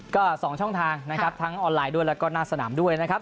ก็๒ช่องทางนะครับทั้งออนไลน์ด้วยแล้วก็หน้าสนามด้วยนะครับ